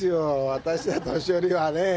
私ら年寄りがね